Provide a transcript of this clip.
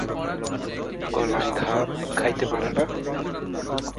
গলায় ঘা, খাইতে পারে না?